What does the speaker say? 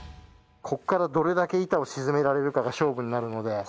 ここからどれだけ板を静められるかが勝負になるので。